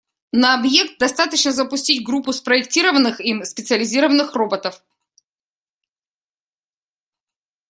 На объект достаточно запустить группу спроектированных им специализированных роботов.